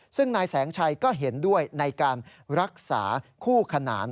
ซึ่งนายแสงชัยก็เห็นด้วยในการรักษาคู่ขนาน